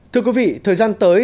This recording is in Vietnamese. thưa quý vị thời gian tới